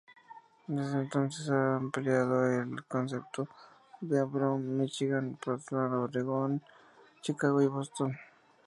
Desde entonces ha ampliado el concepto a Dearborn, Michigan; Portland, Oregon; Chicago; Y Boston.